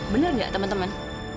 bener nggak teman teman